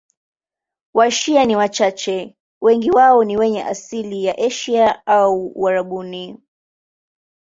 Washia ni wachache, wengi wao ni wenye asili ya Asia au Uarabuni.